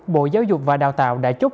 bộ giáo dục và đào tạo đã chúc